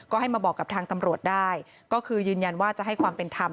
ก็ให้มาบอกกับทางตำรวจได้ก็คือยืนยันว่าจะให้ความเป็นธรรม